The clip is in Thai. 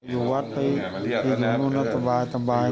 ลูกนั่นแหละที่เป็นคนผิดที่สุดแล้วลูกนั่นแหละที่เป็นคนผิดที่ทำแบบนี้